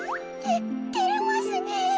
ててれますねえ。